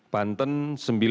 banten sembilan kasus baru